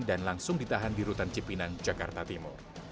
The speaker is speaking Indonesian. dan langsung ditahan di rutan cipinang jakarta timur